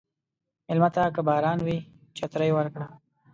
مېلمه ته که باران وي، چترې ورکړه.